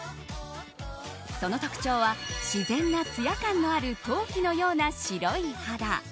その特徴は自然なツヤ感のある陶器のような白い肌。